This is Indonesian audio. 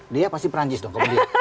dia pasti perancis dong kalau dia